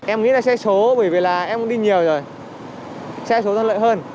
em nghĩ là xe số bởi vì là em cũng đi nhiều rồi xe số thân lợi hơn